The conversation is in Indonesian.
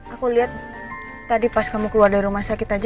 aku lihat tadi pas kamu keluar dari rumah sakit aja